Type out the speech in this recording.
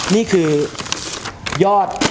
นี่คือยอด